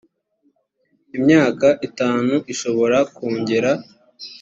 imyaka itatu ishobora kongerwa